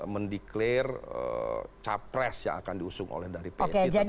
mendeklarasi capres yang akan diusung oleh dari psi